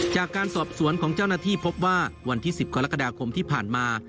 จากการสอบสวนของเจ้าหน้าที่พบว่าวันที่๑๐กรกฎาคมที่ผ่านมา